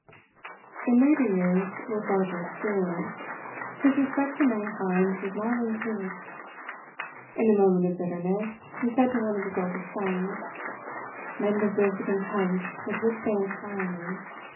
In later years, with larger experience, his respect for mankind was not increased. In a moment of bitterness, he said to one of his oldest friends, "Men deserve the contempt with which they inspire me.